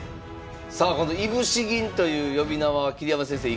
さあこのいぶし銀という呼び名は桐山先生